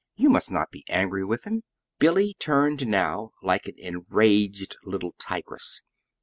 You must not be angry with, him." Billy turned now like an enraged little tigress.